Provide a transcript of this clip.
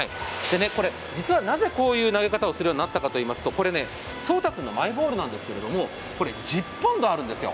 実はなぜこういう投げ方をするようになったかといいますと、聡太のマイボールなんですけど１０ポンドあるんですよ。